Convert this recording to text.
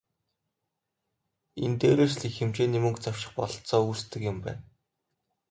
Энэ дээрээс л их хэмжээний мөнгө завших бололцоо үүсдэг юм байна.